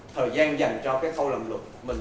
thời gian dành cho khâu làm luật